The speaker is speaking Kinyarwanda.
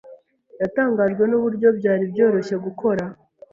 yatangajwe nuburyo byari byoroshye gukora.